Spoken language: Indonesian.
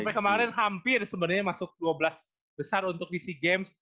sampai kemarin hampir sebenarnya masuk dua belas besar untuk di sea games